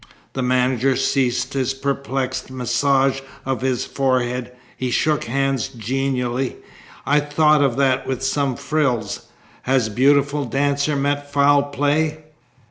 The manager ceased his perplexed massage of his forehead. He shook hands genially. "I'd thought of that with some frills. 'Has beautiful dancer met foul play?